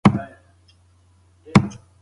پوهه د نېکمرغۍ یوازینۍ لاره ده.